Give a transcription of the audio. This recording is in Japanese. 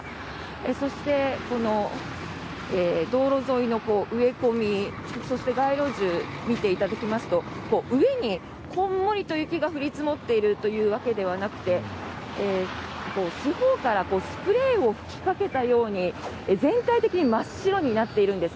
そして、道路沿いの植え込みそして、街路樹を見ていただきますと上にこんもりと雪が降り積もっているというわけではなくて四方からスプレーを吹きかけたように全体的に真っ白になっているんです。